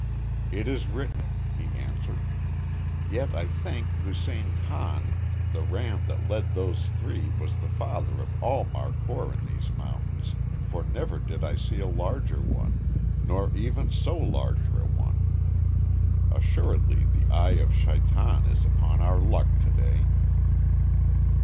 "It is written," he answered. "Yet, I think, Hussein Khan, the ram that led those three was the father of all markhor in these mountains, for never did I see a larger one, nor even so large a one. Assuredly the eye of Shaitan is upon our luck to day."